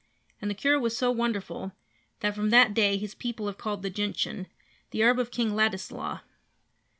And the cure was so wonderful that from that day his people have called the gentian "The Herb of King Ladislaw."